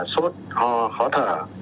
sốt ho khó thở